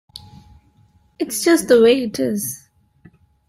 It's just the way it is.